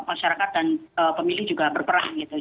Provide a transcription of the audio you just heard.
masyarakat dan pemilih juga berperan